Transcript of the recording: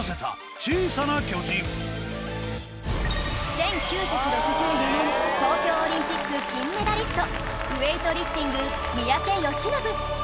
１９６４年東京オリンピック金メダリストウエイトリフティング三宅義信